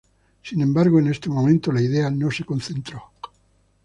Sin embargo, en ese momento la idea no se concretó.